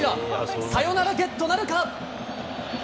サヨナラゲットなるか。